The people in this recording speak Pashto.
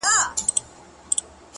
• په انارګل به ښکلی بهار وي ,